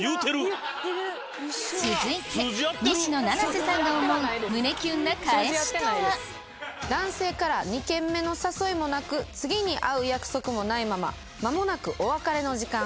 続いて西野七瀬さんが思う男性から２軒目の誘いもなく次に会う約束もないまま間もなくお別れの時間。